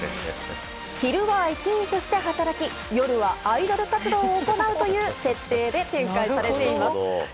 昼は駅員として働き夜はアイドル活動を行うという設定で展開されています。